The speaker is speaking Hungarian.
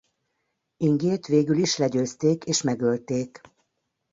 Ingét végül is legyőzték és megölték.